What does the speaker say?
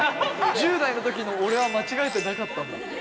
１０代の時の俺は間違えてなかったんだって。